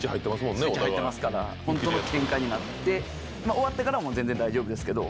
終わってからは全然大丈夫ですけど。